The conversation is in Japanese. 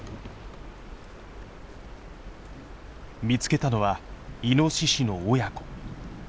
見つけたのはイノシシの親子。